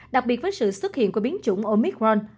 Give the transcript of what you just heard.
đặc biệt với sự xuất hiện của biến chủng omicron